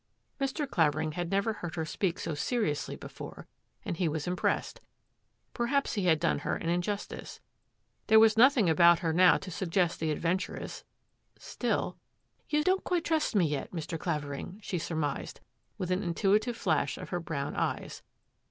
Mr. Clavering had never heard her speak so seriously before and he was impressed. Perhaps he had done her an injustice. There was nothing about her now to suggest the adventuress, still —" You don't quite trust me yet, Mr. Clavering," she surmised, with an intuitive flash of her brown eyes.